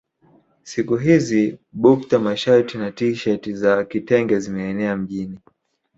Siku hizi bukta mashati na tisheti za kitenge zimeenea mjini